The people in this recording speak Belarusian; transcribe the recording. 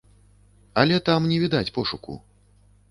Але там не відаць пошуку.